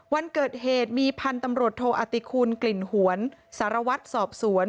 วันเกิดเหตุมีพันธุ์ตำรวจโทอติคุณกลิ่นหวนสารวัตรสอบสวน